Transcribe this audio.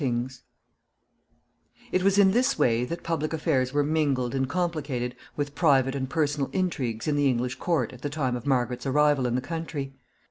] It was in this way that public affairs were mingled and complicated with private and personal intrigues in the English court at the time of Margaret's arrival in the country.